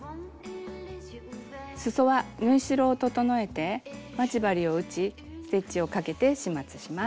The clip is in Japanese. すそは縫い代を整えて待ち針を打ちステッチをかけて始末します。